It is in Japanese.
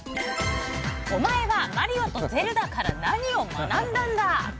お前は「マリオ」と「ゼルダ」から何を学んだんだ！！